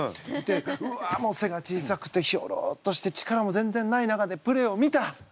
わあせが小さくてヒョロっとして力も全然ない中でプレーを見た。